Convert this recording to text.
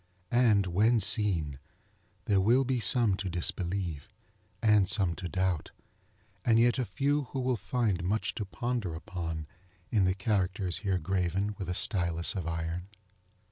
And, when seen, there will be some to disbelieve, and some to doubt, and yet a few who will find much to ponder upon in the characters here graven with a stylus of iron.